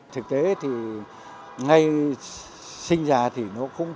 thực tế thì ngay sinh ra thì chúng tôi không được làm